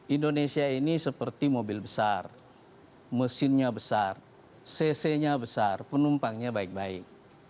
indonesia ini seperti mobil besar mesinnya besar cc nya besar penumpangnya baik baik